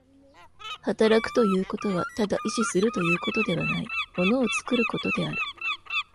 働くということはただ意志するということではない、物を作ることである。